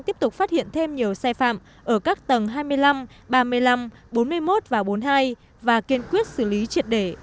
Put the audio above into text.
tiếp tục phát hiện thêm nhiều sai phạm ở các tầng hai mươi năm ba mươi năm bốn mươi một và bốn mươi hai và kiên quyết xử lý triệt để